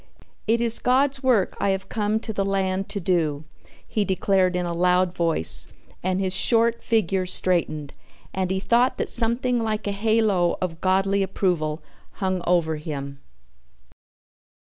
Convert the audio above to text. "It is God's work I have come to the land to do," he declared in a loud voice and his short figure straightened and he thought that something like a halo of Godly approval hung over him.